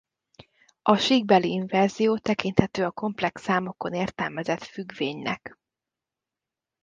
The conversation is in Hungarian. A síkbeli inverzió tekinthető a komplex számokon értelmezett függvénynek.